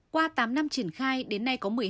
qua tám năm triển khai đến nay có một mươi hai